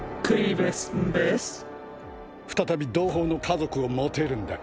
再び同胞の家族を持てるんだ。